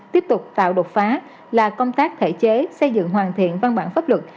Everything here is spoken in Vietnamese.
tiếp tục tạo đột phá là công tác thể chế xây dựng hoàn thiện văn bản pháp luật